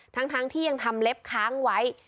ทั้งที่ยังทำเล็บค้างไว้